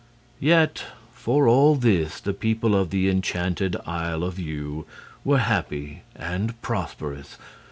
Yet for all this the people of the Enchanted Isle of Yew were happy and prosperous.